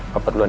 kepet luan ya